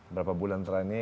berapa bulan terakhir ini